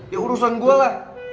ya urusan gue lah